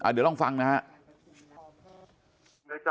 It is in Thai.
เดี๋ยวลองฟังนะฮะ